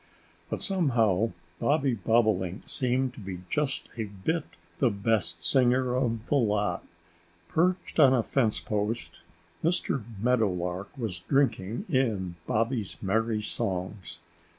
But somehow Bobby Bobolink seemed to be just a bit the best singer of the lot. Perched on a fence post, Mr. Meadowlark was drinking in Bobby's merry songs.